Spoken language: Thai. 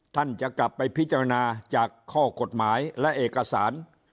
ท่านจะกลับไปพิจารณาจากข้อกฎหมายและเอกสาร